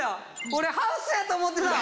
俺ハウスやと思ってた！